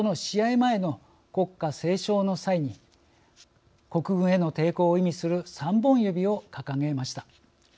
前の国歌斉唱の際に国軍への抵抗を意味する３本指を掲げました。